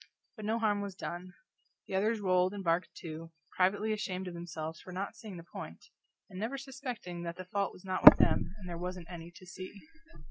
But no harm was done; the others rolled and barked too, privately ashamed of themselves for not seeing the point, and never suspecting that the fault was not with them and there wasn't any to see.